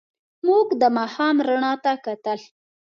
موږ د ماښام رڼا ته کتل.